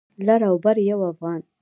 لر او بر يو افغان.